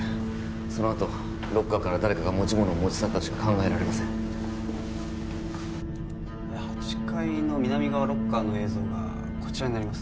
そのあとロッカーから誰かが持ち物を持ち去ったとしか考えられません８階の南側ロッカーの映像がこちらになります